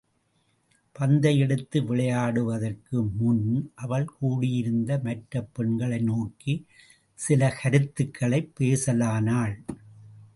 பந்தை எடுத்து விளையாடுவதற்கு முன், அவள் கூடியிருந்த மற்ற பெண்களை நோக்கிச் சில கருத்துக்களைப் பேசலானாள்.